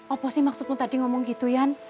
apa sih maksud lu tadi ngomong gitu ian